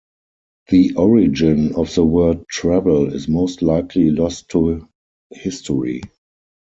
The origin of the word "travel" is most likely lost to history.